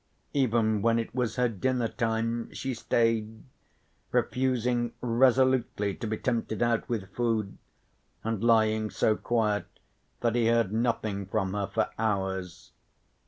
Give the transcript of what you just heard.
Even when it was her dinner time she stayed, refusing resolutely to be tempted out with food, and lying so quiet that he heard nothing from her for hours.